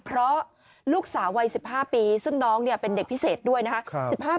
เพราะลูกสาววัย๑๕ปีซึ่งน้องเป็นเด็กพิเศษด้วยนะคะ